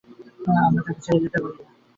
আমরা তাকে ছেড়ে যেতে পারি না!